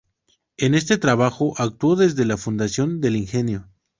En este trabajo actuó desde la fundación del ingenio.